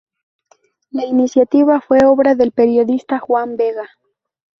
La iniciativa fue obra del periodista Juan Vega.